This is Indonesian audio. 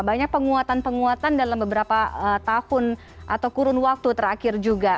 banyak penguatan penguatan dalam beberapa tahun atau kurun waktu terakhir juga